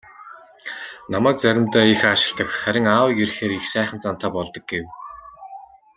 "Намайг заримдаа их аашилдаг, харин аавыг ирэхээр их сайхан зантай болдог" гэв.